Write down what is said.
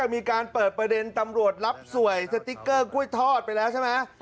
มีการเปิดประเด็นตำรวจรับสวยสติ๊กเกอร์กล้วยทอดไปแล้วใช่ไหม